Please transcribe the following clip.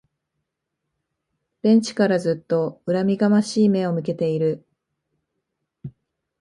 ベンチからずっと恨みがましい目を向けている